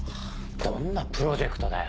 どんなプロジェクトだよ？